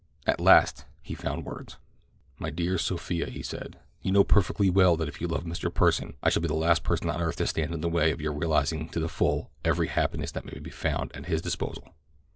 At last he found words. "My dear Sophia," he said, "you know perfectly well that if you love Mr. Pursen I shall be the last person on earth to stand in the way of your realizing to the full every happiness that may be found at his disposal.